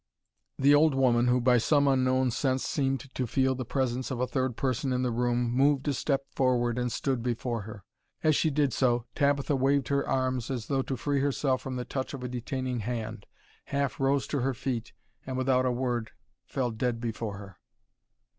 The old woman, who by some unknown sense seemed to feel the presence of a third person in the room, moved a step forward and stood before her. As she did so Tabitha waved her arms as though to free herself from the touch of a detaining hand, half rose to her feet, and without a word fell dead before her.